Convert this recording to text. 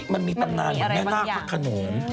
มันมีตำนานอยู่แม่หน้าข้อถนน